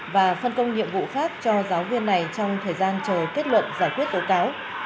và phân công nhiệm vụ khác cho giáo viên này trong thời gian chờ kết luận giải quyết tố cáo